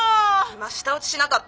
☎今舌打ちしなかった？